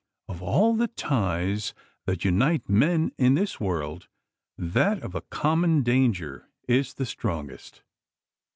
Of all the ties that unite men in this world, that of a common danger is the strongest.